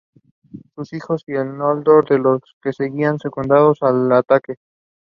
What Does Man Mean?